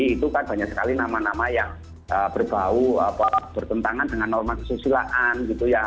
itu kan banyak sekali nama nama yang berbau bertentangan dengan norma kesusilaan gitu ya